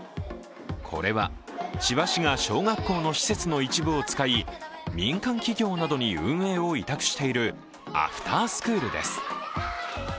これは、千葉市が小学校の施設の一部を使い民間企業などに運営を委託しているアフタースクールです。